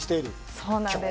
そうなんです。